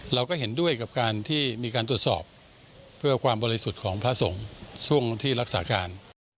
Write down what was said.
เราก็เห็นด้วยกับการที่มีการตรวจสอบเพื่อความบริสุทธิ์ของพระสงฆ์ช่วงที่รักษาการ